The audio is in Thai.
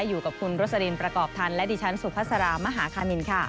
อยู่กับคุณโรสลินประกอบทันและดิฉันสุภาษารามหาคามินค่ะ